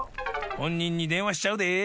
ほんにんにでんわしちゃうで。